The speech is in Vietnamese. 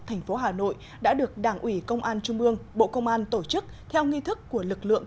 thành phố hà nội đã được đảng ủy công an trung ương bộ công an tổ chức theo nghi thức của lực lượng